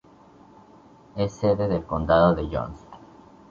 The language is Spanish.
Es sede del condado de Jones.